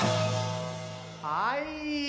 はい。